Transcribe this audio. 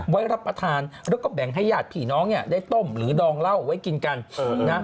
รับประทานแล้วก็แบ่งให้ญาติผีน้องเนี่ยได้ต้มหรือดองเหล้าไว้กินกันนะ